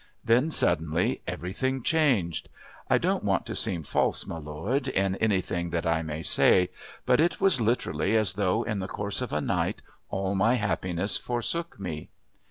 Then suddenly everything changed. I don't want to seem false, my lord, in anything that I may say, but it was literally as though in the course of a night all my happiness forsook me.